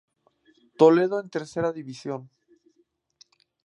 Toledo en Tercera división.